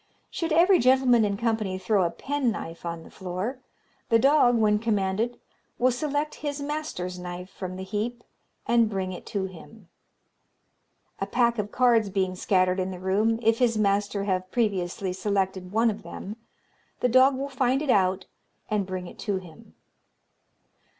"Should every gentleman in company throw a penknife on the floor, the dog, when commanded, will select his master's knife from the heap, and bring it to him. "A pack of cards being scattered in the room, if his master have previously selected one of them, the dog will find it out and bring it to him.